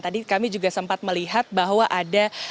tadi kami juga sempat melihat bahwa ada